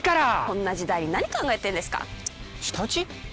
こんな時代に何考えてんですかチッ舌打ち？